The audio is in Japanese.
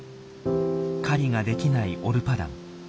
狩りができないオルパダン。